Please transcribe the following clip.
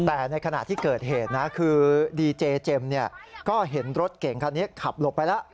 แต่ในขณะที่เกิดเหตุนะคือดีเจเจมส์ก็เห็นรถเก่งคันนี้ขับหลบไปแล้ว